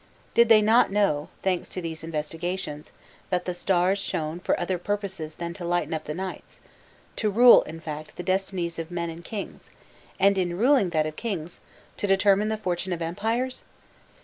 Did they not know, thanks to these investigations, that the stars shone for other purposes than to lighten up the nights to rule, in fact, the destinies of men and kings, and, in ruling that of kings, to determine the fortune of empires?